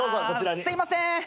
あすいません。